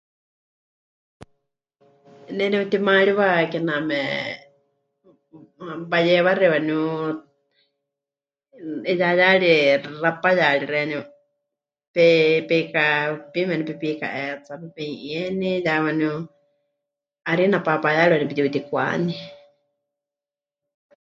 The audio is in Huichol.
Ne nepɨtimaariwa kename wayewaxi waníu 'iyá xaawaari xaawaariyari xeeníu, pe... pe'ikapiime waníu pepika'eetsá, pepenu'ieni ya waníu harina paapayari waníu tiutikwaní.